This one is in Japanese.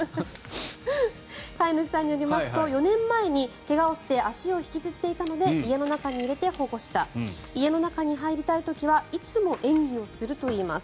飼い主さんによりますと４年前に、怪我をして足を引きずっていたので家の中に入れて保護した家の中に入りたい時はいつも演技をするといいます。